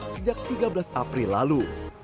sejak tiga belas april lalu